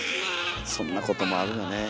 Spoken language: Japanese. そんなこともあるよね。